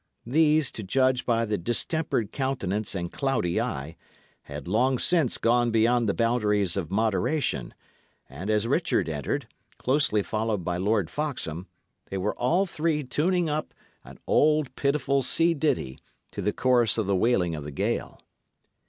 These, to judge by the distempered countenance and cloudy eye, had long since gone beyond the boundaries of moderation; and as Richard entered, closely followed by Lord Foxham, they were all three tuning up an old, pitiful sea ditty, to the chorus of the wailing of the gale.